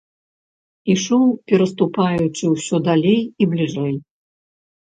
Ішоў, пераступаючы ўсё далей і бліжэй.